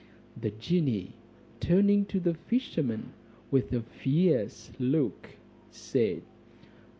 The genie turning to the fisherman, with a fierce look, said.